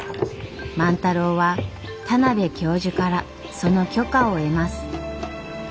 万太郎は田邊教授からその許可を得ます。